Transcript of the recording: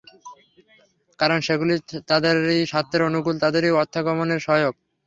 কারণ সেগুলি তাদেরই স্বার্থের অনুকূল, তাদেরই অর্থাগমের সহায়ক।